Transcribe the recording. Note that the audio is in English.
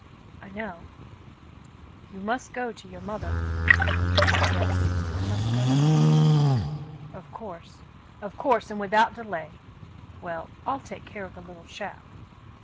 "I know." News from England 221 "You must go to your mother." Yes, I must go to her." Of course, of course, and without delay. Well, I'll take care of the Httle chap."